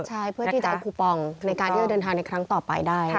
ใช่เพื่อที่จะเอาคูปองในการที่จะเดินทางในครั้งต่อไปได้